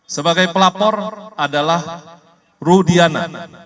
sebagai pelapor adalah rudiana